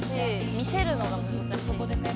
見せるのが難しい」